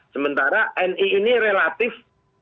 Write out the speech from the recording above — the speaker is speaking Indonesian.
sementara nii ini relatif